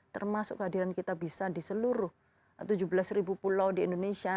termasuk hadiran kita bisa di seluruh tujuh belas pulau di indonesia